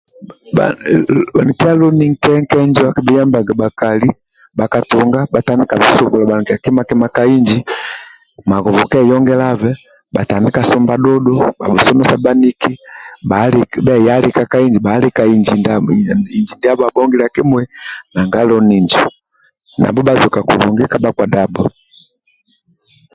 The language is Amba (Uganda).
bani kya loni nkenke njo akibuyambaga bakali bakatunga baki tandikaga subula banikya kima kuti kuti maghobo keyongilyabe btandika sumba dhudhu babusomesa baniki beyalika bahalika inji ndyabo abongilya kimui nanga loni njo nabo bajoka kulungi ka badabo nanga loni njo